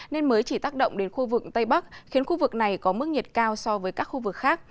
nên mới chỉ tác động đến khu vực tây bắc khiến khu vực này có mức nhiệt cao so với các khu vực khác